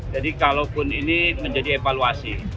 jadi kalaupun ini menjadi evaluasi